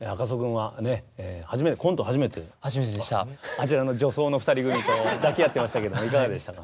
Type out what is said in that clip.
あちらの女装の２人組と抱き合ってましたけどもいかがでしたか？